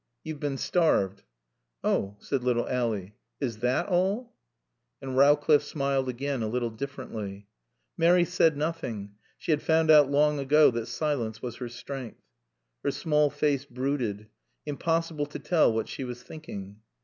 "You've been starved." "Oh," said little Ally, "is that all?" And Rowcliffe smiled again, a little differently. Mary said nothing. She had found out long ago that silence was her strength. Her small face brooded. Impossible to tell what she was thinking.